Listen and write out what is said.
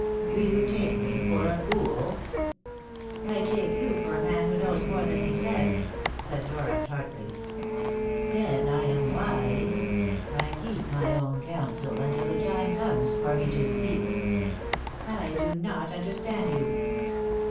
Do you take me for a fool?" "I take you for a man who knows more than he says," said Dora tartly. "Then I am wise. I keep my own counsel until the time comes for me to speak." "I do not understand you."